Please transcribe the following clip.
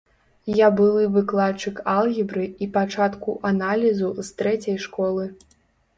Я былы выкладчык алгебры і пачатку аналізу з трэцяй школы.